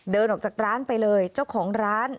เดินออกจากร้านไปเลยเจ้าของร้าน